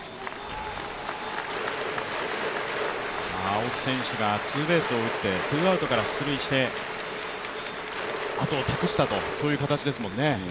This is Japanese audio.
青木選手がツーベースを打ってツーアウトから出塁してあとを託したという形ですもんね。